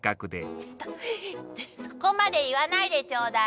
ちょっとそこまで言わないでちょうだい。